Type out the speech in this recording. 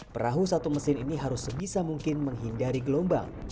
perahu satu mesin ini harus sebisa mungkin menghindari gelombang